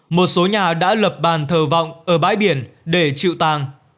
một số nhà đã lập bàn thờ vọng ở bãi biển để chịu tàng